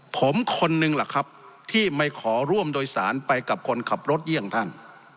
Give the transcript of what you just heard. ผมคนนึงล่ะครับที่ไม่ขอร่วมโดยสารไปกับคนขับรถเยี่ยงท่าน